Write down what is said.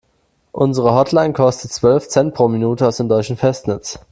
Unsere Hotline kostet zwölf Cent pro Minute aus dem deutschen Festnetz.